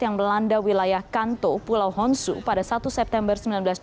yang melanda wilayah kanto pulau honsu pada satu september seribu sembilan ratus empat puluh